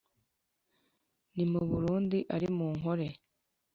ari mu burundi, ari mu nkore